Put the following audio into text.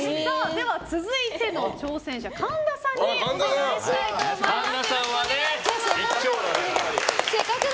続いての挑戦者、神田さんにお願いしたいと思います。